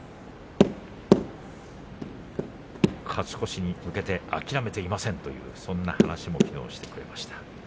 勝ち越しに向けて諦めていませんというそんな話をきのう、してくれました。